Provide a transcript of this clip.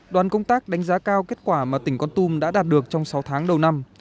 đoàn công tác đánh giá cao kết quả mà tỉnh con tum đã đạt được trong sáu tháng đầu năm